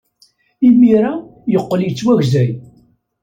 Imir-a, yeqqel yettwagzay.